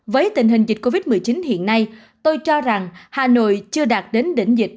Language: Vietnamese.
với tình hình dịch covid một mươi chín hiện nay tôi cho rằng hà nội chưa đạt đến đỉnh dịch